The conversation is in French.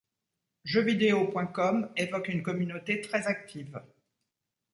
Jeuxvideo.com évoque une communauté très active.